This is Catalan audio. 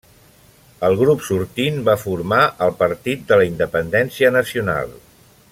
El grup sortint va formar el Partit de la Independència Nacional.